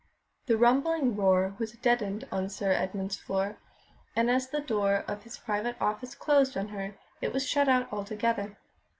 The rumbling roar was deadened on Sir Edmund's floor, and as the door of his private office closed on her, it was shut out altogether.